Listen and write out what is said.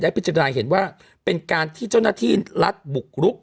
พิจารณาเห็นว่าเป็นการที่เจ้าหน้าที่รัฐบุกรุก